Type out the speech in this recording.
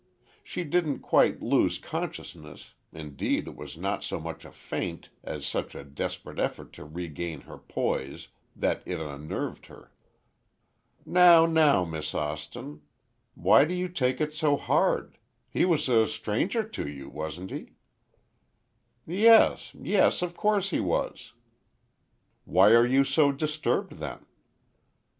She didn't quite lose consciousness, indeed it was not so much a faint as such a desperate effort to regain her poise, that it unnerved her. "Now, now, Miss Austin, why do you take it so hard? He was a stranger to you, wasn't he?" "Yes—yes, of course he was." "Why are you so disturbed then?"